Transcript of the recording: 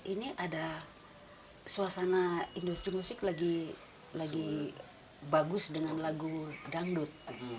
ini ada suasana industri musik lagi bagus dengan lagu dangdut